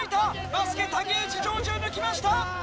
バスケ竹内譲次を抜きました。